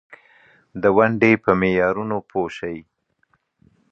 پر بهانو بار له دروغو نه دې ځار لالیه